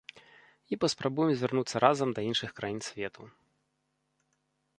І паспрабуем звярнуцца разам да іншых краін свету.